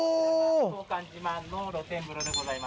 当館自慢の露天風呂でございます。